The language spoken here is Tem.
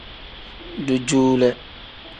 Dujuule.